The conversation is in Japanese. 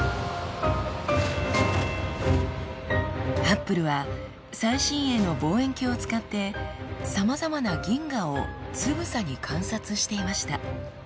ハッブルは最新鋭の望遠鏡を使ってさまざまな銀河をつぶさに観察していました。